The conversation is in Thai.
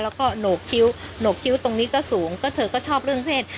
แล้วก็โหนกคิ้วโหนกคิ้วตรงนี้ก็สูงก็เธอก็ชอบเรื่องเพศ